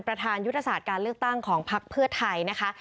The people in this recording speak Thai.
ประธานยุทธศาสตร์การเลือกตั้งของพักเพื่อไทยนะคะ